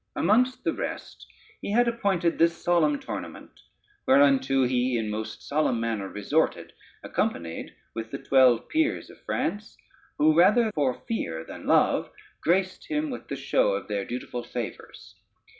Amongst the rest he had appointed this solemn tournament, whereunto he in most solemn manner resorted, accompanied with the twelve peers of France, who, rather for fear than love, graced him with the show of their dutiful favors.